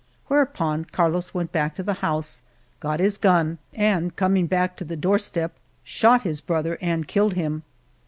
Whereupon Carlos went back to the house, got his gun, and coming back to the 90 Montcil door step, shot his brother and killed him.